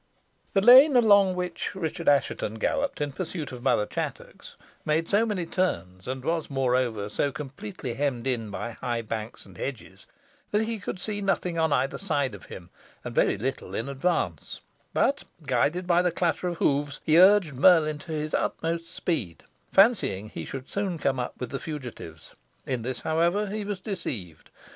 The lane along which Richard Assheton galloped in pursuit of Mother Chattox, made so many turns, and was, moreover, so completely hemmed in by high banks and hedges, that he could sec nothing on either side of him, and very little in advance; but, guided by the clatter of hoofs, he urged Merlin to his utmost speed, fancying he should soon come up with the fugitives. In this, however, he was deceived.